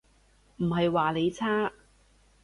唔係話你差